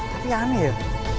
tapi aneh ya